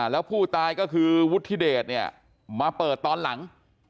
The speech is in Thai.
แล้วผู้ตายก็คือวุฒิเดชเนี่ยมาเปิดตอนหลัง